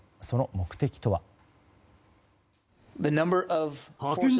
その目的とは。